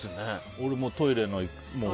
俺もトイレの。